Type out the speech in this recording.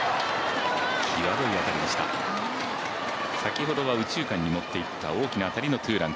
先ほどは右中間に持っていった大きな当たりのツーラン。